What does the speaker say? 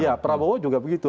sama prabowo juga begitu